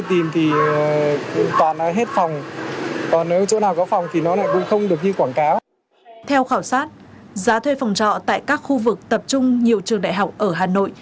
theo khảo sát giá thuê phòng trọ tại các khu vực tập trung nhiều trường đại học ở hà nội